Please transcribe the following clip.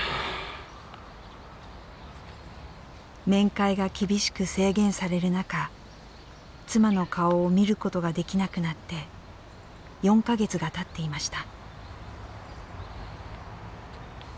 面会が厳しく制限される中妻の顔を見ることができなくなって４か月がたっていました。